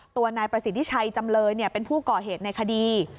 ตัวนายประสิทธิชัยจำเลยเป็นผู้ก่อเหตุในคดี